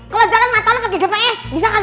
kalau jalan mata lo pake gps bisa nggak